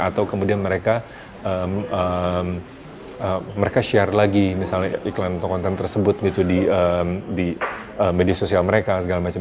atau kemudian mereka share lagi misalnya iklan atau konten tersebut gitu di media sosial mereka segala macam